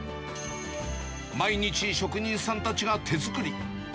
毎日、職人さんたちが手作り。